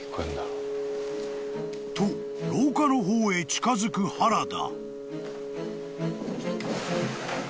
［と廊下の方へ近づく原田］